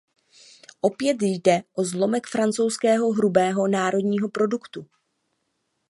Opět jde o zlomek francouzského hrubého národního produktu.